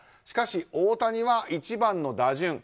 しかし、大谷は１番の打順。